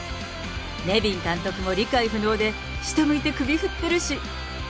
ネビン監督も理解不能で下向いて首振ってるし。